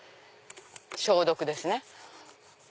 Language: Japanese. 消毒ですね。